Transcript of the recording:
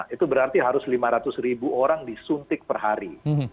itu berarti harus lima ratus ribu orang disuntik per hari